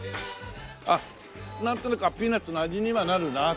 あっなんとなくピーナツの味にはなるなと思う。